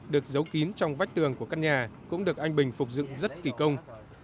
được giấu kín trong vách tường của căn nhà cũng được anh bình phục dựng rất kỳ công